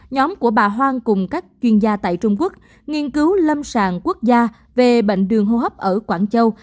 nhóm của bà hoang cùng các chuyên gia tại trung quốc nghiên cứu lâm sàng quốc gia về bệnh đường hô hấp ở quảng châu